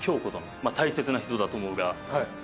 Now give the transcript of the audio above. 大切な人だと思うが。